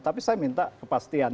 tapi saya minta kepastian